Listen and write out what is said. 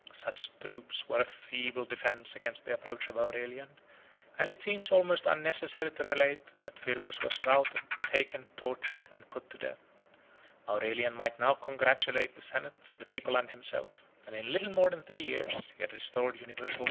Such troops were a feeble defence against the approach of Aurelian; and it seems almost unnecessary to relate, that Firmus was routed, taken, tortured, and put to death. 76 Aurelian might now congratulate the senate, the people, and himself, that in little more than three years, he had restored universal peace and order to the Roman world.